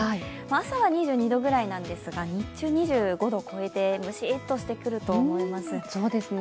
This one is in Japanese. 朝は２２度ぐらいなんですが、日中は２５度を超えてムシッとしてくると思います。